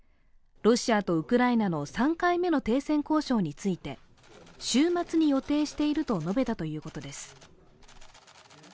ロシアとウクライナの３回目の停戦交渉について週末に予定していると述べたということです。